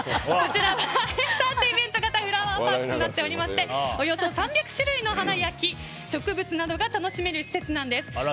こちらはエンターテインメント型フラワーパークとなっておりましておよそ３００種類の花や木植物などが楽しめる施設なんです。